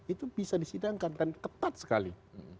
itu bisa disidangkan kan ketat sekali